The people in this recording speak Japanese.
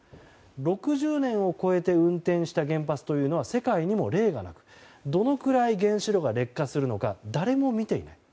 ６０年を超えて運転した原発というのは世界にも例がなくどのくらい原子炉が劣化するのか誰も見ていない。